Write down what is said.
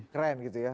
keren gitu ya